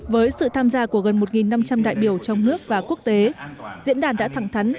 với sự tham gia của gần một năm trăm linh đại biểu trong nước và quốc tế diễn đàn đã thẳng thắn